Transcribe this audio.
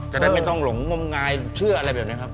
จะได้ไม่ต้องหลงงมงายเชื่ออะไรแบบนี้ครับ